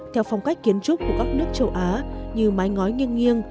theo phong cách kiến trúc của các nước châu á như mái ngói nghiêng nghiêng